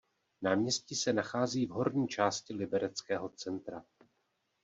Náměstí se nachází v horní části libereckého centra.